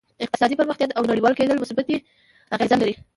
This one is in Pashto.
اقتصادي پرمختیا او نړیوال کېدل مثبتې اغېزې لري